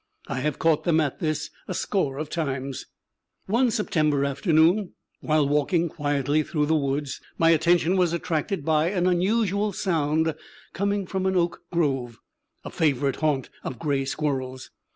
I have caught them at this a score of times. One September afternoon, while walking quietly through the woods, my attention was attracted by an unusual sound coming from an oak grove, a favorite haunt of gray squirrels.